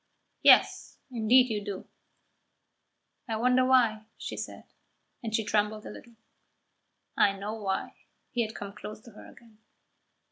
"Yes, indeed you do." "I wonder why," she said, and she trembled a little. "I know why." He had come close to her again.